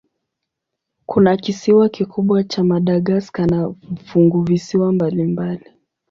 Kuna kisiwa kikubwa cha Madagaska na funguvisiwa mbalimbali.